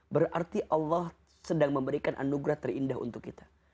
berarti allah sedang memberikan anugerah terindah untuk kita